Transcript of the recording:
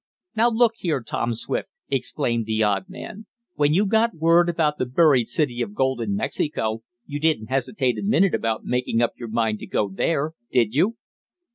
"Now look here, Tom Swift!" exclaimed the odd man. "When you got word about the buried city of gold in Mexico you didn't hesitate a minute about making up your mind to go there; did you?"